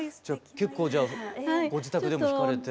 結構じゃあご自宅でも弾かれて？